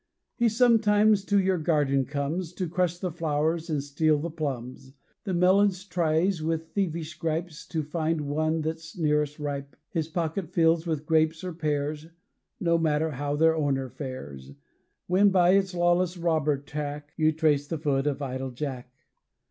He sometimes to your garden comes, To crush the flowers and steal the plums The melons tries with thievish gripe, To find the one that's nearest ripe His pocket fills with grapes or pears, No matter how their owner fares; When, by its lawless, robber track, You trace the foot of idle Jack.